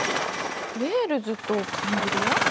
ウェールズとカンブリア？